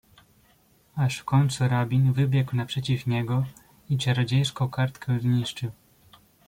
"Aż w końcu rabin wybiegł naprzeciw niego i czarodziejską kartkę zniszczył."